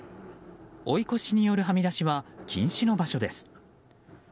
追い越しによるはみ出しは禁止の場所です。